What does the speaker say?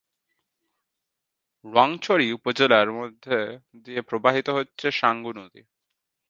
রোয়াংছড়ি উপজেলার মধ্য দিয়ে প্রবাহিত হচ্ছে সাঙ্গু নদী।